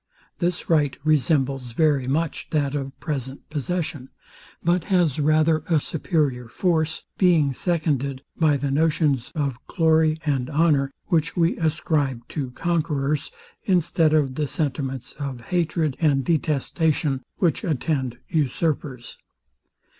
This right resembles very much that of present possession; but has rather a superior force, being seconded by the notions of glory and honour, which we ascribe to conquerors, instead of the sentiments of hatred and detestation, which attend usurpers.